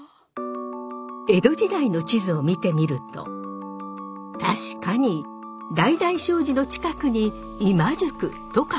江戸時代の地図を見てみると確かに「代々小路」の近くに「今宿」と書かれています。